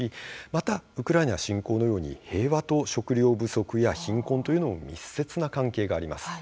また、ウクライナ侵攻のように平和と食糧不足や貧困というのも密接な関係があります。